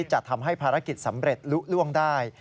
จะทำให้ภารกิจสำเร็จลุล่วงได้